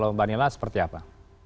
mbak danila seperti apa